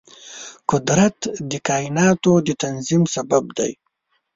قدرت د کایناتو د تنظیم سبب دی.